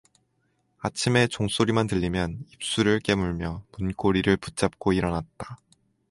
아침에 종소리만 들리면 입술을 깨물며 문고리를 붙잡고 일어났다.